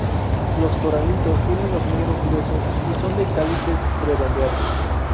Los coralitos tienen los muros gruesos y son de cálices redondeados.